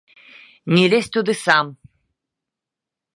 Не лезь туды сам!